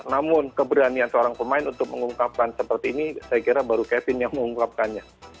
namun keberanian seorang pemain untuk mengungkapkan seperti ini saya kira baru kevin yang mengungkapkannya